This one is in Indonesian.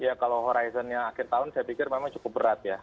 ya kalau horizonnya akhir tahun saya pikir memang cukup berat ya